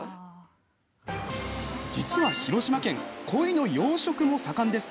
実は、広島県はコイの養殖も盛んです。